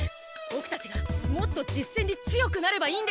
ボクたちがもっと実戦に強くなればいいんですから！